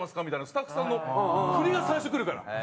みたいなスタッフさんの振りが最初くるから。